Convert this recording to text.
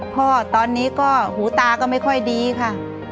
พ่อตอนนี้ก็หูตาก็ไม่ค่อยดีค่ะ